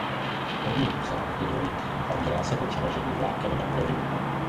První uzel je dvojitý a udělá se po přeložení vláken na polovinu.